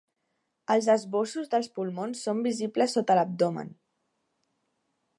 Els esbossos dels pulmons són visibles sota l'abdomen.